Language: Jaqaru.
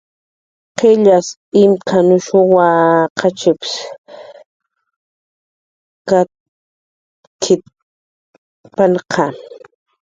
"Qillyanh imk""anushunwa, qachips katk""ipanqa"